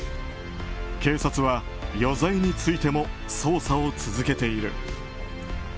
警察は余罪についても捜査を続けている。